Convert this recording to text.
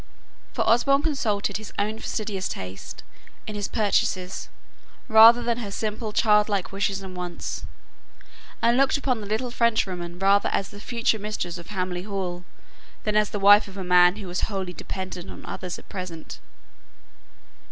For Osborne consulted his own fastidious taste in his purchases rather than her simple childlike wishes and wants, and looked upon the little Frenchwoman rather as the future mistress of Hamley Hall than as the wife of a man who was wholly dependent on others at present.